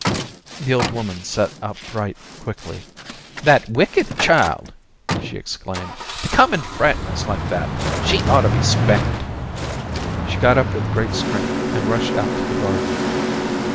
The old woman sat upright quickly. "That wicked child!" she exclaimed. "To come and frighten us like that. She ought to be spanked." She got up with great strength and rushed out to the garden.